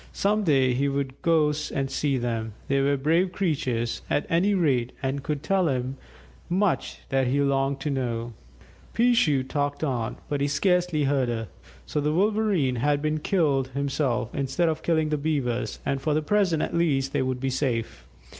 Some day he would go and see them; they were brave creatures, at any rate, and could tell him much that he longed to know. "Peeshoo" talked on, but he scarcely heard her. So the Wolverene had been killed himself, instead of killing the Beavers, and for the present at least they would be safe.